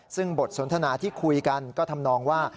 ซึ่งบทสนทนาที่คุยกันก็ทำนองว่า